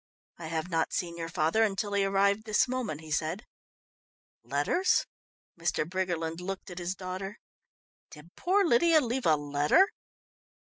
"I have not seen your father until he arrived this moment," he said. "Letters?" Mr. Briggerland looked at his daughter. "Did poor Lydia leave a letter?"